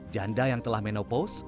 janda yang telah menopaus